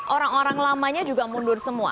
orang orang lamanya juga mundur semua